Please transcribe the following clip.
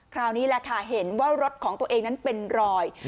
คราวนี้แหละค่ะเห็นว่ารถของตัวเองนั้นเป็นรอย